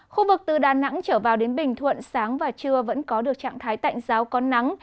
khu vực từ đà nẵng trở vào đến bình thuận sáng và trưa vẫn có được trạng thái tạnh giáo có nắng